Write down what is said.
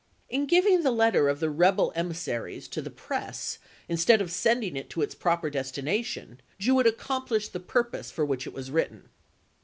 In giving the letter of the rebel emissaries to the press instead of sending it to its proper destina tion, Jewett accomplished the purpose for which it was written.